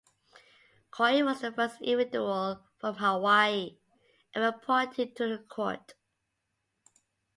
Choy was the first individual from Hawaii ever appointed to the court.